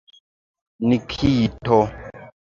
Nikito!